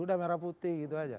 sudah merah putih gitu saja